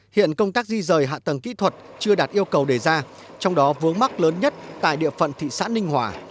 hiện công tác di rời hạ tầng kỹ thuật chưa đạt yêu cầu đề ra trong đó vướng mắc lớn nhất tại địa phận thị xã ninh hòa